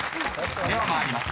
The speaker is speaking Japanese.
［では参ります。